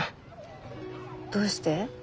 どうして？